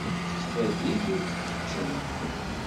Tettḍilli-d ur d-tkeččem.